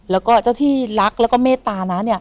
แล้วก็เจ้าที่รักแล้วก็เมตตานะ